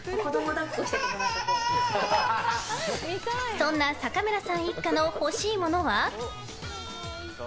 そんな坂村さん一家の欲しいものは。